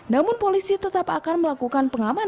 namun polisi tetap akan melaksanakan